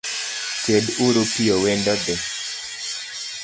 Ted uru piyo wendo dhi.